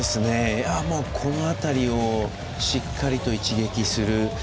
この辺りをしっかりと一撃する。